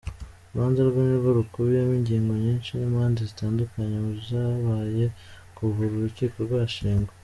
Urubanza rwe nirwo rukubiyemo ingingo nyinshi n’impande zitandukanye muzabaye kuva uru rukiko rwashingwa.